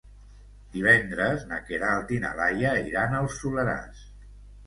Divendres na Queralt i na Laia iran al Soleràs.